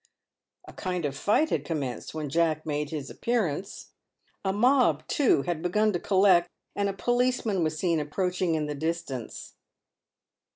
A kind of fight had commenced when Jack made his appearance. A mob, too, had begun to collect, and a policeman was seen approach ing in the distance.